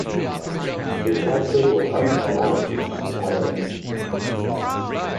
His catchphrase was Up and at 'em, Atom Ant!